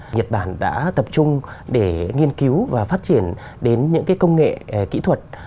nhật bản đã tập trung để nghiên cứu và phát triển đến những công nghệ kỹ thuật